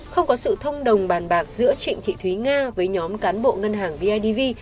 không có sự thông đồng bàn bạc giữa trịnh thị thúy nga với nhóm cán bộ ngân hàng bidv